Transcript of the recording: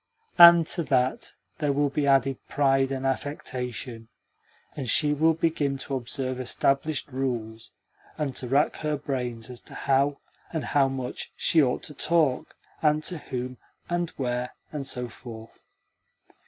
And to that there will be added pride and affectation, and she will begin to observe established rules, and to rack her brains as to how, and how much, she ought to talk, and to whom, and where, and so forth.